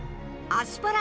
アスパラ？